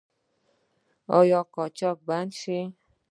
آیا قاچاق بند شوی؟